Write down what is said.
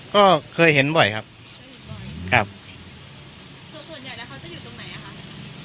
ก็เคยเห็นบ่อยครับครับส่วนใหญ่แล้วเขาจะอยู่ตรงไหนอ่ะครับ